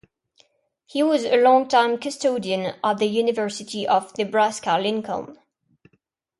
He was a long-time custodian at the University of Nebraska-Lincoln.